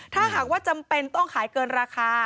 ถ้าหากว่าจำเป็นต้องขายเกินราคา